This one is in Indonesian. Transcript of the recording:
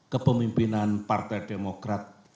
kepemimpinan partai demokrat